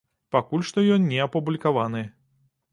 Пакуль што ён не апублікаваны.